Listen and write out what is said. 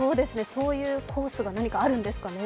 そういうコースがあるんですかね。